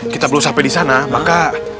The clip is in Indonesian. kita belum sampai disana maka